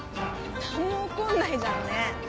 何も起こんないじゃんね。